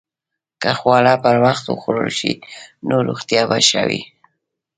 که خواړه پر وخت وخوړل شي، نو روغتیا به ښه وي.